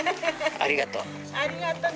ありがとね。